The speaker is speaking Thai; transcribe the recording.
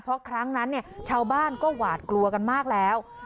เพราะครั้งนั้นเนี่ยชาวบ้านก็หวาดกลัวกันมากแล้ว